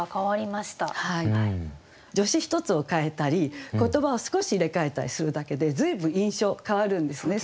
助詞１つを変えたり言葉を少し入れ替えたりするだけで随分印象変わるんですね。